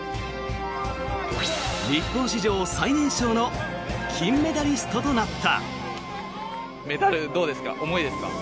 日本史上最年少の金メダリストとなった。